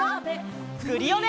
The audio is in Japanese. クリオネ！